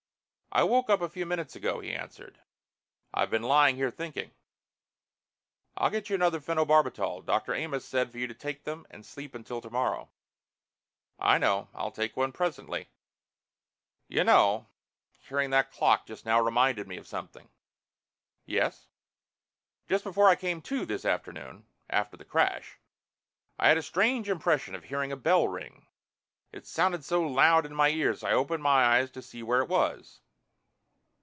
"I woke up a few minutes ago," he answered. "I've been lying here thinking." "I'll get you another phenobarbital. Dr. Amos said for you to take them and sleep until tomorrow." "I know. I'll take one presently. You know hearing that clock just now reminded me of something." "Yes?" "Just before I came to this afternoon, after the crash, I had a strange impression of hearing a bell ring. It sounded so loud in my ears I opened my eyes to see where it was."